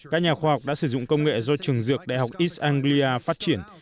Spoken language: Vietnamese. các nhà khoa học đã sử dụng công nghệ do trường dược đại học is anglia phát triển